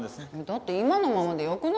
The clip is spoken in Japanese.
だって今のままでよくない？